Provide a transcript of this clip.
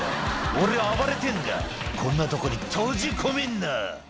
「俺は暴れてぇんだこんなとこに閉じ込めんな」